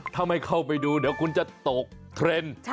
ถ้าไม่เข้าไปดูเดี๋ยวคุณจะตกเทรนด์